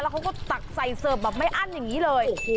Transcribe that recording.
เขาก็ตักใส่เสิร์ฟแบบไม่อั้นอย่างนี้เลย